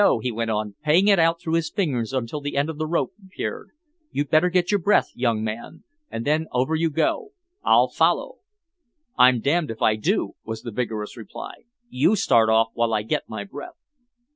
he went on, paying it out through his fingers until the end of the rope appeared. "You'd better get your breath, young man, and then over you go. I'll follow." "I'm damned if I do!" was the vigorous reply. "You start off while I get my breath."